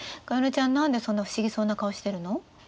加弥乃ちゃん何でそんな不思議そうな顔してるの？